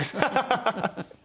ハハハハ！